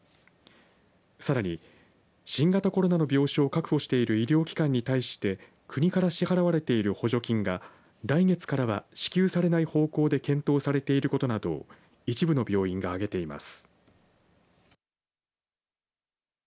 さらに新型コロナの病床を確保している医療機関に対して国から支払われている補助金が来月からは支給されない方向で検討されていることなどを一部の病院が挙げています。